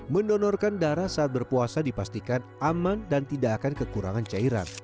mendonorkan darah saat berpuasa dipastikan aman dan tidak akan kekurangan cairan